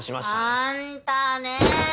あんたね。